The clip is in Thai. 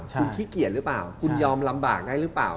คุณขี้เกียจหรือเปล่าคุณยอมลำบากได้หรือเปล่า